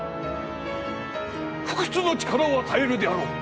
不屈の力を与えるであろう！